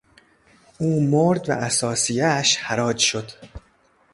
او مرد و اثاثیهاش حراج شد.